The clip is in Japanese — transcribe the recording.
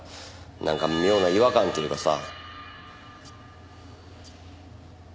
なんか妙な違和感というかさ。